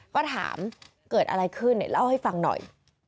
ก็ถามเกิดอะไรขึ้นไหนเล่าให้ฟังหน่อย